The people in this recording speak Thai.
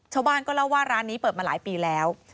ชาวบ้านก็เล่าว่าร้านนี้เปิดมาหลายปีแล้ว